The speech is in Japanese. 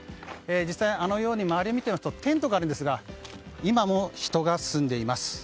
実際、あのように周りを見るとテントがあるんですが今も人が住んでいます。